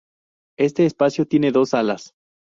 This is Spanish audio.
Este espacio tiene dos salas.